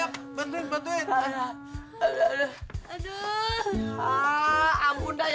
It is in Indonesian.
ampun dah nyanyi nyanyi ya